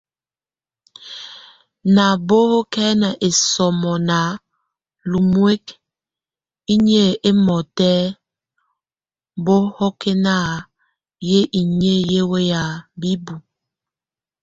Na bɔ́hɔkɛn esomó na lumuek inyʼ émɔtɛ, bɔ́hɔkɛna yay ínye weya bíbu.